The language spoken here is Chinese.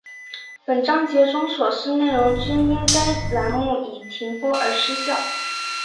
本章节中所示内容均因该栏目已停播而失效